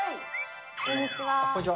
こんにちは。